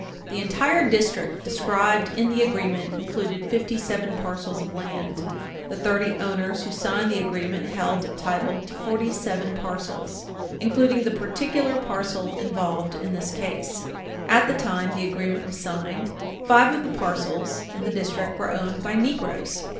The entire district described in the agreement included fifty seven parcels of land. The thirty owners who signed the agreement held title to forty seven parcels, including the particular parcel involved in this case. At the time the agreement was signed, five of the parcels in the district were owned by Negroes.